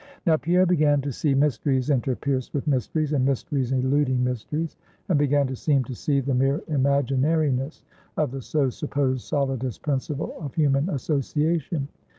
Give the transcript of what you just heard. Now Pierre began to see mysteries interpierced with mysteries, and mysteries eluding mysteries; and began to seem to see the mere imaginariness of the so supposed solidest principle of human association.